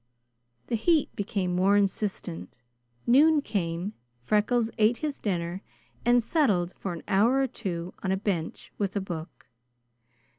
The heat became more insistent. Noon came; Freckles ate his dinner and settled for an hour or two on a bench with a book.